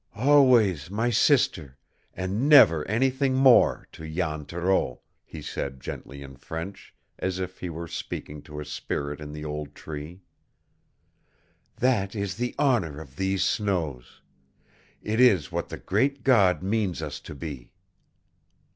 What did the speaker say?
"Always my sister and never anything more to Jan Thoreau," he said gently in French, as if he were speaking to a spirit in the old tree. "That is the honor of these snows; it is what the great God means us to be."